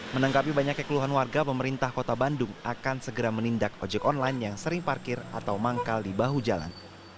menanggapi banyaknya keluhan warga pemerintah kota bandung akan segera menindak ojek online yang sering parkir atau manggal di bahu jalan